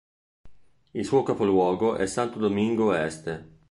Il suo capoluogo è Santo Domingo Este.